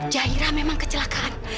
jahira memang kecelakaan